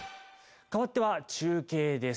かわっては中継です